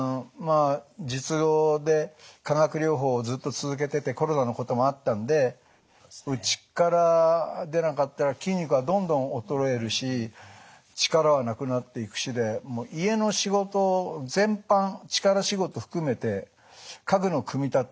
術後で化学療法をずっと続けててコロナのこともあったんでうちから出なかったら筋肉はどんどん衰えるし力はなくなっていくしで家の仕事全般力仕事含めて家具の組み立て。